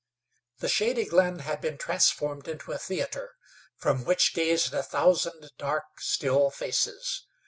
The shady glade had been transformed into a theater, from which gazed a thousand dark, still faces.